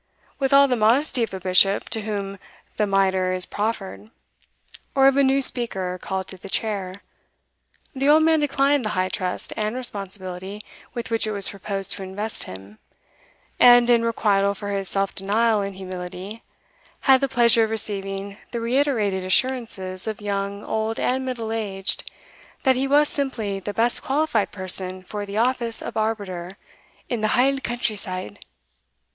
With all the modesty of a Bishop to whom the mitre is proffered, or of a new Speaker called to the chair, the old man declined the high trust and responsibility with which it was proposed to invest him, and, in requital for his self denial and humility, had the pleasure of receiving the reiterated assurances of young, old, and middle aged, that he was simply the best qualified person for the office of arbiter "in the haill country side."